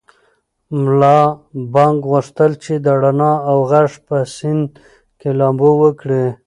ملا بانګ غوښتل چې د رڼا او غږ په سیند کې لامبو وکړي.